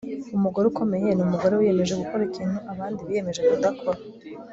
umugore ukomeye ni umugore wiyemeje gukora ikintu abandi biyemeje kudakora